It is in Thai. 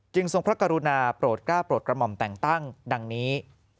ทรงพระกรุณาโปรดก้าวโปรดกระหม่อมแต่งตั้งดังนี้